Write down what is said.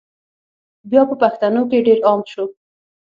بیا په پښتنو کي ډېر عام سو